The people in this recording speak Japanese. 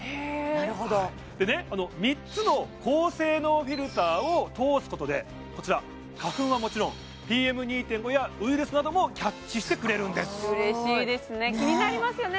なるほど３つの高性能フィルターを通すことでこちら花粉はもちろんＰＭ２．５やウイルスなどもキャッチしてくれるんですうれしいですね気になりますよね